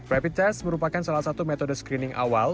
rapid test merupakan salah satu metode screening awal